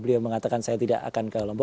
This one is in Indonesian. beliau mengatakan saya tidak akan ke lombok